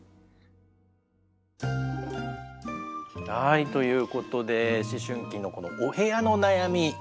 はいということで思春期のこのお部屋の悩み。